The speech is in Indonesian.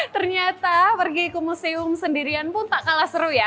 ternyata pergi ke museum sendirian pun tak kalah seru ya